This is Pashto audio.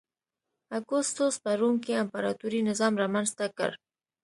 اګوستوس په روم کې امپراتوري نظام رامنځته کړ.